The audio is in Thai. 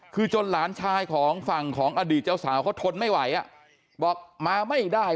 คือจนหลานชายของฝั่งของอดีตเจ้าสาวเขาทนไม่ไหวอ่ะบอกมาไม่ได้